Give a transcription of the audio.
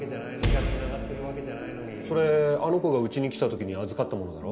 それあの子がうちに来た時に預かったものだろ？